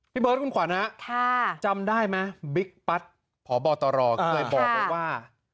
พี่เบิ้ดคุณขวัญฮะค่ะจำได้ไหมบิ๊กปั๊ดพอบอตรอเคยบอกว่า